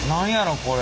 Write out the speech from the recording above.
これ。